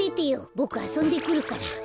ボクあそんでくるから。